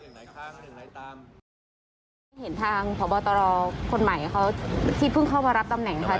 ที่เห็นทางพบตรคนใหม่เขาที่เพิ่งเข้ามารับตำแหน่งค่ะ